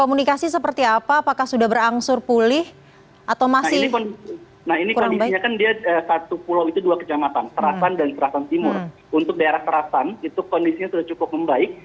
untuk daerah serasan itu kondisinya sudah cukup membaik